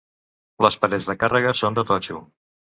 Les parets de càrrega són de totxo.